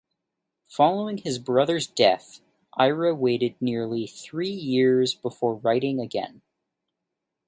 Following his brother's death, Ira waited nearly three years before writing again.